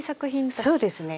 そうですね。